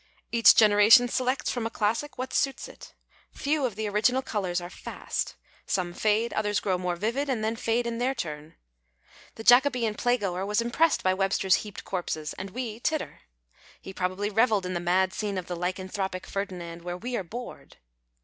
Each generation selects from a classic what suits it. Few of the original colours arc '' fast "; some fade, others grow more vivid and then fade in their turn. The ISO VICISSITUDES OF CLASSICS Jacobean playgoer was impressed by Webster's heaped corpses, and we titter. He probably revelled in the mad scene of the " lycanthropic " Ferdinand, where we are bored.